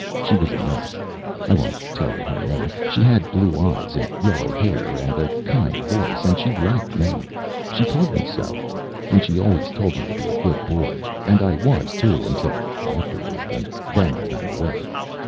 She was a nurse. I won't tell you her name. She had blue eyes, and yellow hair, and a kind voice, and she liked me. She told me so. And she always told me to be a good boy. And I was, too, until afterward, and then I ran away.